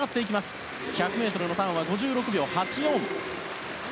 先頭は１００ｍのターンは５６秒８４。